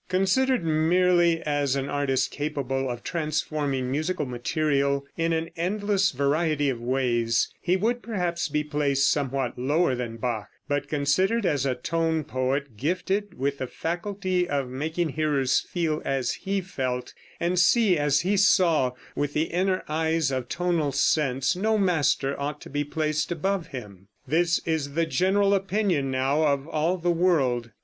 Considered merely as an artist capable of transforming musical material in an endless variety of ways, he would perhaps be placed somewhat lower than Bach; but considered as a tone poet gifted with the faculty of making hearers feel as he felt, and see as he saw (with the inner eyes of tonal sense), no master ought to be placed above him. This is the general opinion now, of all the world.